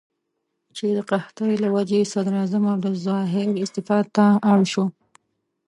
چې د قحطۍ له وجې صدراعظم عبدالظاهر استعفا ته اړ شو.